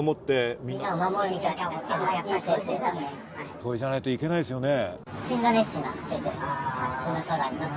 それじゃないといけないですよね。